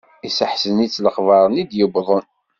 Yesseḥzen-itt lexber-nni d-yewwḍen.